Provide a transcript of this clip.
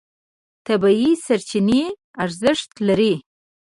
طبیعي سرچینې ارزښت لري.